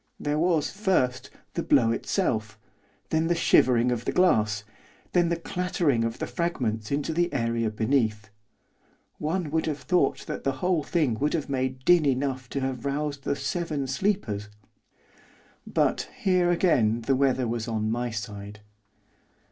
There was, first, the blow itself, then the shivering of the glass, then the clattering of fragments into the area beneath. One would have thought that the whole thing would have made din enough to have roused the Seven Sleepers. But, here, again the weather was on my side.